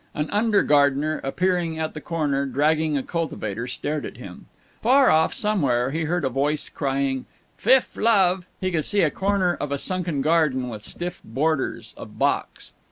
An under gardener, appearing at the corner, dragging a cultivator, stared at him. Far off, somewhere, he heard a voice crying, "Fif' love!" He could see a corner of a sunken garden with stiff borders of box.